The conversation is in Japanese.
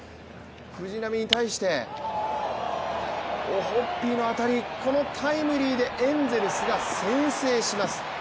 藤浪に対してオホッピーの当たり、このタイムリーでエンゼルスが先制します。